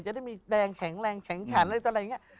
จะได้มีแดงแข็งแรงแข็งขันอะไรอะไรอย่างนี้